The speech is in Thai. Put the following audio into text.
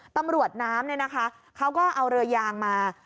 ตำรวจน้ำเนี่ยนะคะเขาก็เอาเรือยางมา